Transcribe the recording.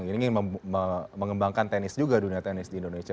ini ingin mengembangkan tenis juga dunia tenis di indonesia